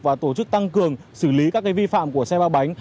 và tổ chức tăng cường xử lý các vi phạm của xe ba bánh